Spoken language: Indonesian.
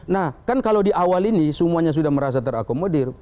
nah kan kalau di awal ini semuanya sudah merasa terakomodir